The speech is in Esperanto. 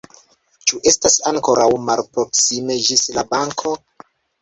Ĉu estas ankoraŭ malproksime ĝis la banko?